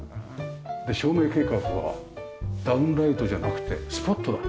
で照明計画はダウンライトじゃなくてスポットだ。